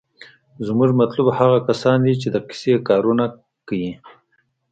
زمونګه مطلوب هغه کسان دي چې دقسې کارونه کيي.